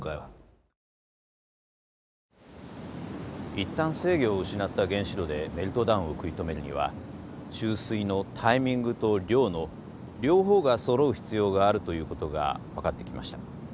一旦制御を失った原子炉でメルトダウンを食い止めるには注水のタイミングと量の両方がそろう必要があるということが分かってきました。